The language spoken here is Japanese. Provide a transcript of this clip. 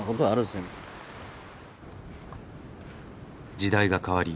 時代が変わり